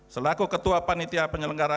selaku ketua panitia penyelenggara